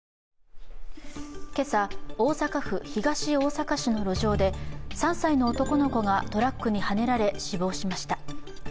今朝、大阪府東大阪市の路上で３歳の男の子がトラックにはねられ死亡しました。